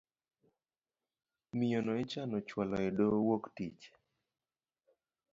Miyono ichano chual edoho wuok tich.